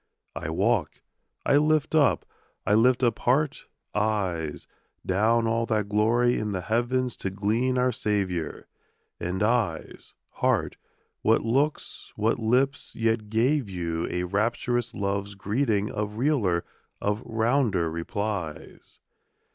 I walk, I lift up, I lift up heart, eyes, Down all that glory in the heavens to glean our Saviour; And, éyes, heárt, what looks, what lips yet gave you a Rapturous love's greeting of realer, of rounder replies?